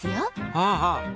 ああ！